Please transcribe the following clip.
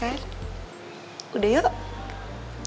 kita bisa ke tempat yang lebih baik